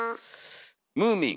「ムーミン」。